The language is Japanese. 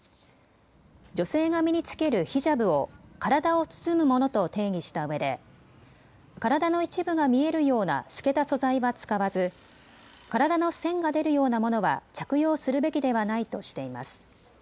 女性が身に着けるヒジャブを体を包むものと定義したうえで体の一部が見えるような透けた素材は使わず体の線が出るようなものは着用するべきではないとしています。